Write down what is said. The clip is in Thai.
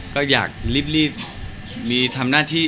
ก็อยากรีบมีทำหน้าที่